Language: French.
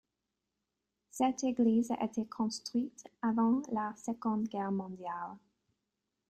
Cette église a été construite avant la Seconde Guerre mondiale.